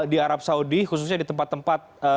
di arab saudi khususnya di tempat tempat